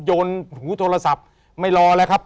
โยนหูโทรศัพท์ไม่รอแล้วครับ